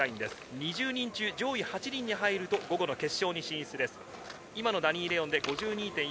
２０人中上位８人に入ると午後の決勝進出です。